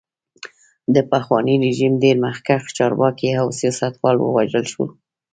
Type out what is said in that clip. د پخواني رژیم ډېر مخکښ چارواکي او سیاستوال ووژل شول.